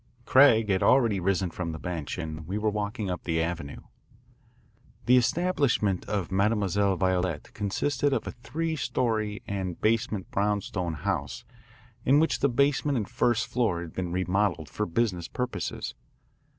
Craig had already risen from the bench and we were walking up the Avenue. The establishment of Mademoiselle Violette consisted of a three story and basement brownstone house in which the basement and first floor had been remodelled for business purposes.